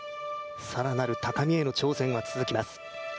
更なる高みへの挑戦は続きます。